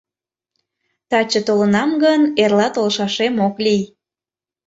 Таче толынам гын, эрла толшашем ок лий.